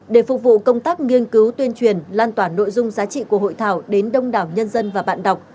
để phục vụ công tác nghiên cứu tuyên truyền lan tỏa nội dung giá trị của hội thảo đến đông đảo nhân dân và bạn đọc